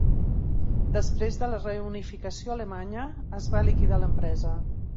Després de la reunificació alemanya, es va liquidar l'empresa.